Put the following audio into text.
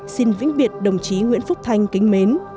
xin vĩnh biệt đồng chí nguyễn phúc thanh kính mến